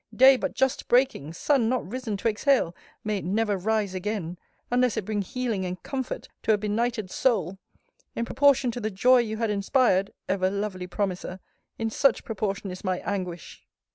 Day but just breaking Sun not risen to exhale May it never rise again! Unless it bring healing and comfort to a benighted soul! In proportion to the joy you had inspired (ever lovely promiser!) in such proportion is my anguish!